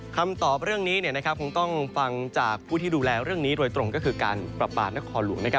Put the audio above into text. คำตอบเรื่องนี้คงต้องฟังจากผู้ที่ดูแลเรื่องนี้โดยตรงก็คือการประปานครหลวง